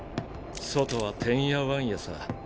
外はてんやわんやさ。